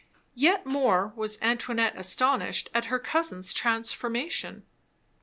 Yet more was Antoinette astonished at her cousin's transformation.